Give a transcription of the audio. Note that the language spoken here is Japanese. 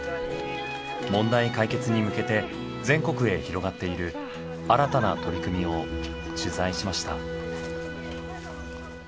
問題解決に向けて全国へ広がっている新たな取り組みを取材しました。